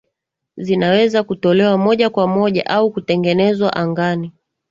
zinaweza kutolewa moja kwa moja au kutengenezwa angani